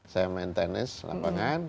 saya main tenis lapangan